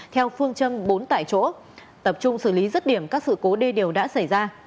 theo phương châm bốn tại chỗ tập trung xử lý rứt điểm các sự cố đê điều đã xảy ra